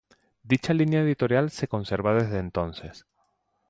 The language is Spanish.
Dicha línea editorial se conserva desde entonces.